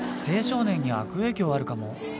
青少年に悪影響あるかも。